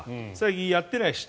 やってないしね。